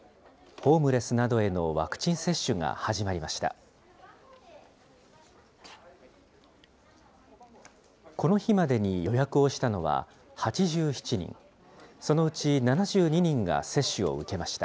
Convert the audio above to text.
ホームレスなどへのワクチン接種が始まりました。